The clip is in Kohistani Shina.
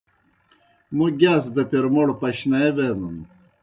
موْ گِیاس دہ پیر موْڑ پشنائے بینَن۔